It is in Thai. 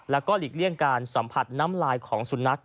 แล้วก็หลีกเลี่ยงการสัมผัสน้ำลายของสุนัข